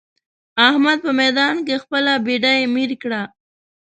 احمد په ميدان کې خپله بېډۍ مير کړه.